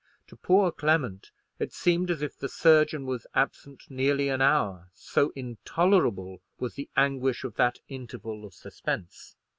To Poor Clement it seemed as if the surgeon was absent nearly an hour, so intolerable was the anguish of that interval of suspense.